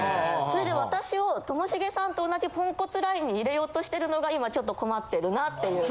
それで私をともしげさんと同じポンコツラインに入れようとしてるのが今ちょっと困ってるなという。